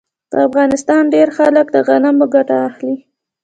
د افغانستان ډیری خلک له غنمو ګټه اخلي.